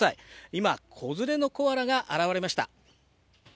今、子連れのコアラが現れました。